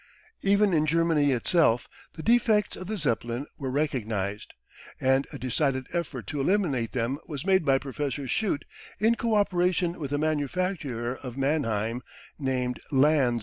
Even in Germany itself the defects of the Zeppelin were recognised and a decided effort to eliminate them was made by Professor Schutte in co operation with a manufacturer of Mannheim named Lanz.